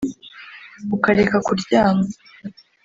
ukareka kuryama